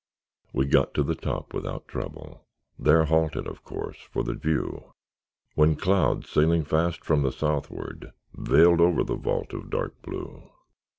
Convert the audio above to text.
We got to the top without trouble; There halted, of course, for the view; When clouds, sailing fast from the southward, Veiled over the vault of dark blue.